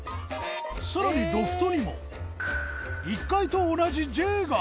さらにロフトにも１階と同じＪが！